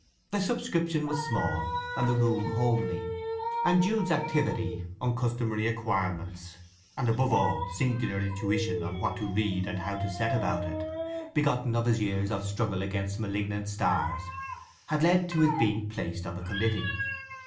The subscription was small, and the room homely; and Jude's activity, uncustomary acquirements, and, above all, singular intuition on what to read and how to set about it—begotten of his years of struggle against malignant stars—had led to his being placed on the committee.